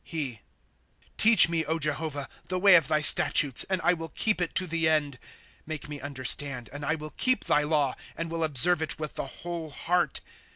He. Teach me, Jehovah, the way of thy statutes. And I will keep it to the end. ^* Make me understand and I will keep thy law, And will observe it with the whole heart.